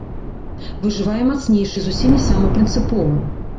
Выжывае мацнейшы і зусім не самы прынцыповы.